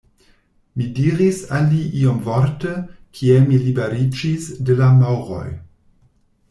Mi diris al li iomvorte, kiel mi liberiĝis de la Maŭroj.